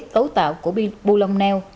cấu tạo của bù lông neo